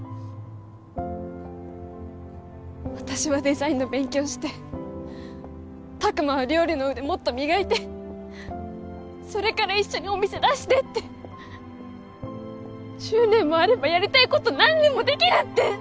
私はデザインの勉強して拓真は料理の腕もっと磨いてそれから一緒にお店出してって１０年もあればやりたいこと何でもできるって！